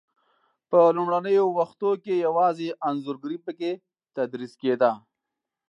په لومړنیو وختو کې یوازې انځورګري په کې تدریس کېده.